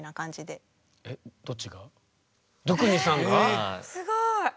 すごい。